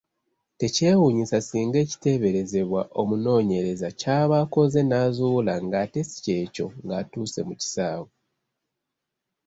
Tekyewuunyisa singa ekiteeberezebwa omunoonyereza ky'aba akoze n’azuula ng’ate si kyekyo ng’atuuse mu kisaawe.